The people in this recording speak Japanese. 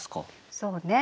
そうね。